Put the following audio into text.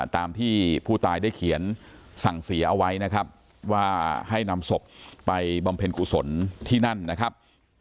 ตามที่ผู้ตายได้เขียนสั่งเสียเอาไว้นะครับว่าให้นำศพไปบำเพ็ญกุศลที่นั่นนะครับ